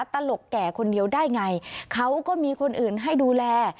ตลกแก่คนเดียวได้ไงเขาก็มีคนอื่นให้ดูแล